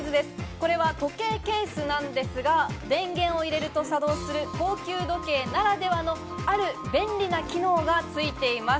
これは時計ケースなんですが電源を入れると作動する高級時計ならではの、ある便利な機能がついています。